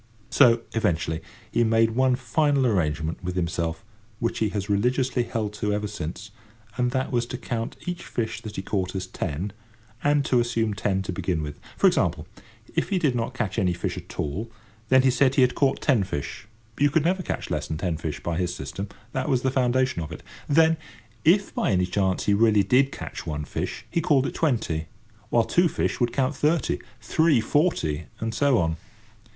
So, eventually, he made one final arrangement with himself, which he has religiously held to ever since, and that was to count each fish that he caught as ten, and to assume ten to begin with. For example, if he did not catch any fish at all, then he said he had caught ten fish—you could never catch less than ten fish by his system; that was the foundation of it. Then, if by any chance he really did catch one fish, he called it twenty, while two fish would count thirty, three forty, and so on.